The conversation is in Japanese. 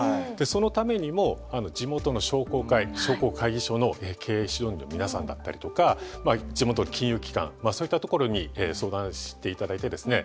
そのためにも地元の商工会商工会議所の経営指導員の皆さんだったりとか地元の金融機関そういったところに相談して頂いてですね